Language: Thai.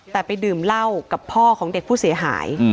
แต่ไปดื่มเหล้ากับพ่อของเด็กผู้เสียหาย